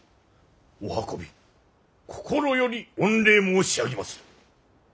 お運び心より御礼申し上げまする。